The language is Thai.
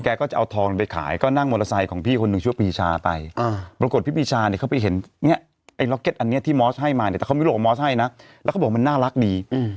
ก็จะเอาทองไปขายก็นั่งมอเตอร์ไซค์ของพี่คนหนึ่งชื่อปีชาไปปรากฏพี่ปีชาเนี่ยเขาไปเห็นเนี่ยไอ้ล็อกเก็ตอันนี้ที่มอสให้มาเนี่ยแต่เขามีโรคมอสให้นะแล้วเขาบอกมันน่ารักดี